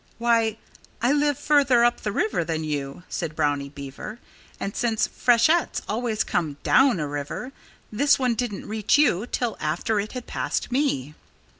"Why, I live further up the river than you," said Brownie Beaver. "And since freshets always come down a river, this one didn't reach you till after it had passed me."